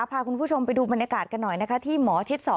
พาคุณผู้ชมไปดูบรรยากาศกันหน่อยนะคะที่หมอชิด๒